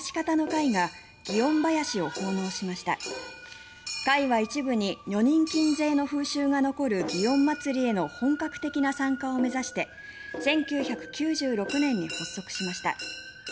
会は一部に女人禁制の風習が残る祇園祭への本格的な参加を目指して１９９６年に発足しました。